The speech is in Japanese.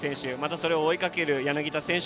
それを追いかける柳田選手